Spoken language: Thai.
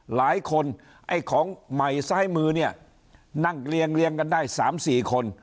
หลายคนไอ้ของใหม่ซ้ายมือเนี่ยนั่งเรียงกันได้๓๔คน